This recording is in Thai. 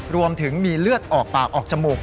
รวมถึงมีเลือดออกปากออกจมูก